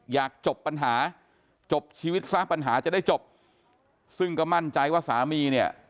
อยากจบปัญหาจบชีวิตซะปัญหาจะได้จบซึ่งก็มั่นใจว่าสามีเนี่ย